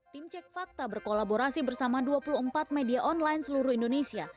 tim cek fakta berkolaborasi bersama dua puluh empat media online seluruh indonesia